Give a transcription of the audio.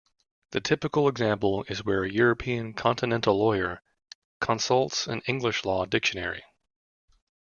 The typical example is where a European continental lawyer consults an English law dictionary.